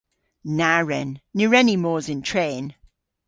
Na wren! Ny wren ni mos yn tren.